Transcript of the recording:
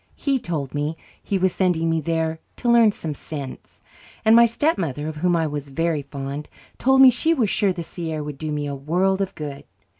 He told me he was sending me there "to learn some sense"; and my stepmother, of whom I was very fond, told me she was sure the sea air would do me a world of good.